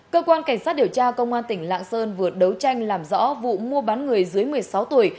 cơ quan cảnh sát điều tra công an tỉnh lạng sơn vừa đấu tranh làm rõ vụ mua bán người dưới một mươi sáu tuổi